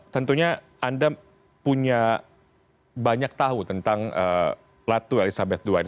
tentunya anda punya banyak tahu tentang ratu elizabeth ii ini